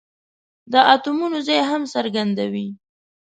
د اتومونو ځای هم څرګندوي.